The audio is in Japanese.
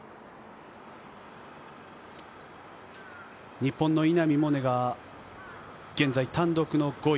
日本の稲見萌寧が現在、単独の５位。